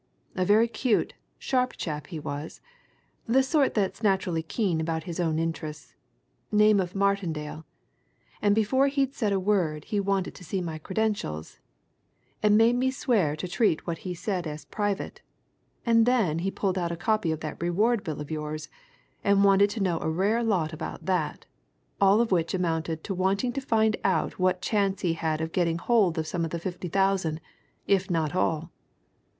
A very cute, sharp chap he was, the sort that's naturally keen about his own interests name of Martindale and before he'd say a word he wanted to see my credentials, and made me swear to treat what he said as private, and then he pulled out a copy of that reward bill of yours, and wanted to know a rare lot about that, all of which amounted to wanting to find out what chance he had of getting hold of some of the fifty thousand, if not all.